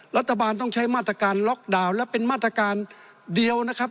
รัฐบาลต้องใช้มาตรการล็อกดาวน์และเป็นมาตรการเดียวนะครับ